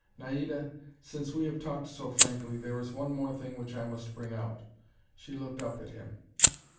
"Naida, since we have talked so frankly, there is one more thing which I must bring out." She looked up at him.